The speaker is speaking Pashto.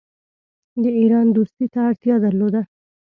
د ایران دوستی ته اړتیا درلوده.